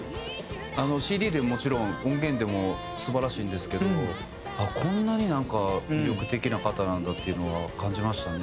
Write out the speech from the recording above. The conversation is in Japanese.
ＣＤでももちろん音源でも素晴らしいんですけどこんなになんか魅力的な方なんだっていうのは感じましたね